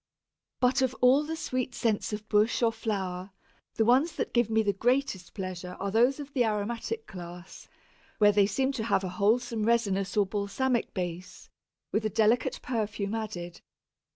But of all the sweet scents of bush or flower, the ones that give me the greatest pleasure are those of the aromatic class, where they seem to have a wholesome resinous or balsamic base, with a delicate perfume added.